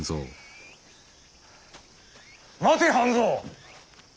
待て半蔵。